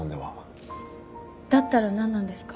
だったらなんなんですか？